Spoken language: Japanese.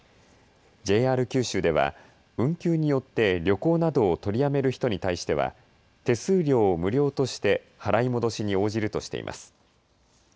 ＪＲ九州では運休によって旅行などを取りやめる人に対しては手数料を無料として払い戻しに応じるとしています。